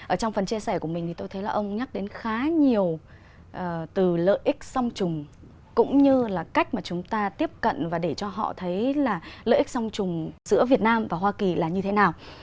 ở trong phần chia sẻ của mình thì tôi thấy là ông nhắc đến khá nhiều từ lợi ích song trùng cũng như là cách mà chúng ta tiếp cận và để cho họ thấy là lợi ích song trùng giữa việt nam và hoa kỳ là như thế nào